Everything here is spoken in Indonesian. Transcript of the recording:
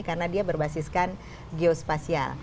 karena dia berbasis geospasial